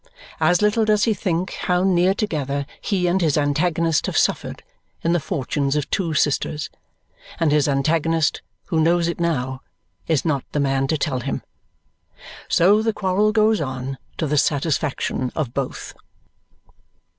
As little does he think how near together he and his antagonist have suffered in the fortunes of two sisters, and his antagonist, who knows it now, is not the man to tell him. So the quarrel goes on to the satisfaction of both.